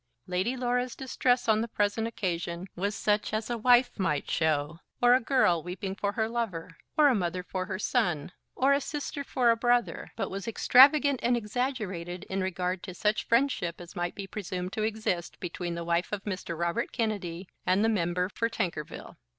Lady Laura's distress on the present occasion was such as a wife might show, or a girl weeping for her lover, or a mother for her son, or a sister for a brother; but was extravagant and exaggerated in regard to such friendship as might be presumed to exist between the wife of Mr. Robert Kennedy and the member for Tankerville.